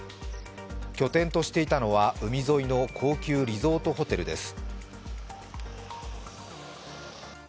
拠点としていたのは、海沿いの高級リゾートホテルです。